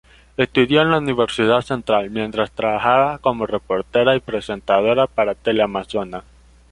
Estudió en la Universidad Central mientras trabajaba como reportera y presentadora para Teleamazonas.